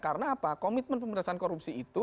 karena apa komitmen pemerintahan korupsi itu